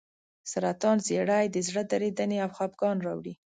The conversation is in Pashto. سرطان زیړی د زړه درېدنې او خپګان راوړي.